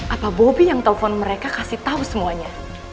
apa bobi yang telepon mereka kasih tau semuanya